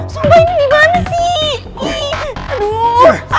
sumpah ini dimana sih